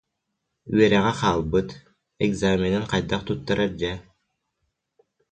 Үөрэҕэ хаалбыт, экзаменын хайдах туттарар дьэ